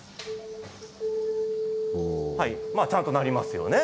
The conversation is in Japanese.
ちゃんと鳴りますよね。